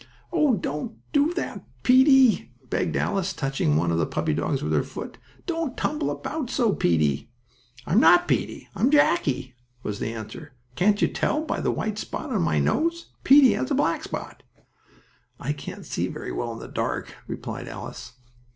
"Oh, don't do that, Peetie!" begged Alice, touching one of the puppy dogs with her foot. "Don't tumble about so, Peetie!" "I'm not Peetie; I'm Jackie!" was the answer. "Can't you tell by the white spot on my nose? Peetie has a black spot." "I can't see very well in the dark," replied Alice.